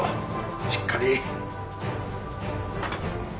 しっかり！